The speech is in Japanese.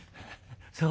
「そう」。